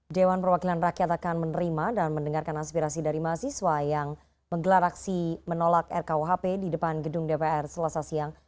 dewan perwakilan rakyat akan menerima dan mendengarkan aspirasi dari mahasiswa yang menggelar aksi menolak rkuhp di depan gedung dpr selasa siang